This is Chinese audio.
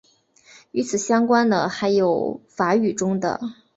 与此相关的还有法语中的。